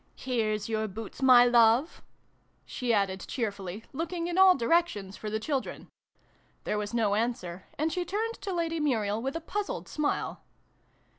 Here's your boots, my love !" she added cheerfully, looking in all directions for the children. There was no answer, and she turned to Lady Muriel with a puzzled smile.